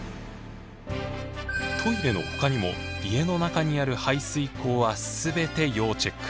トイレのほかにも家の中にある排水口はすべて要チェック。